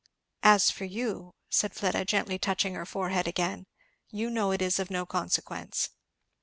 As for you," said Fleda, gently touching her forehead again, "you know it is of no consequence!"